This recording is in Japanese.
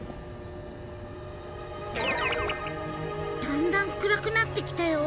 だんだん暗くなってきたよ。